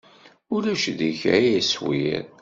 Ulac deg-k ay aswir.